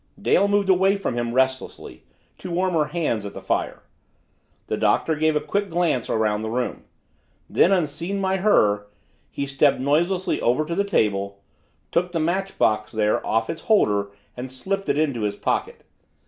Dale moved away from him restlessly, to warm her hands at the fire. The Doctor gave a quick glance around the room. Then, unseen by her, he stepped noiselessly over to the table, took the matchbox there off its holder and slipped it into his pocket.